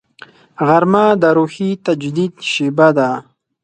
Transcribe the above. غرمه د روحي تجدید شیبه ده